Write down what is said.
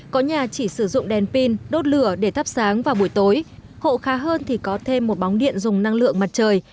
có nhà chỉ sử dụng đèn pin đốt lửa để thắp sáng vào buổi tối hộ khá hơn thì có thêm một bóng điện dùng năng lượng mặt trời